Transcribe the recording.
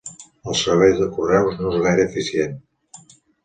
El servei de correus no és gaire eficient.